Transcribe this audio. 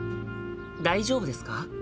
「大丈夫ですか？」。